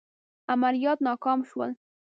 عملیات یې ناکام شول.